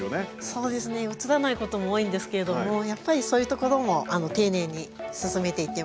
そうですね映らないことも多いんですけれどもやっぱりそういうところも丁寧に進めていってます。